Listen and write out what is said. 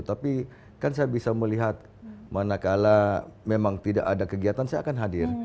tapi kan saya bisa melihat manakala memang tidak ada kegiatan saya akan hadir